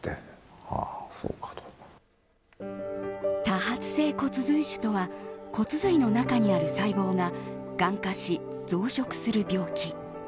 多発性骨髄腫とは骨髄の中にある細胞ががん化し増殖する病気。